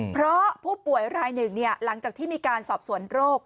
เพราะผู้ป่วยรายหนึ่งหลังจากที่มีการสอบสวนโรค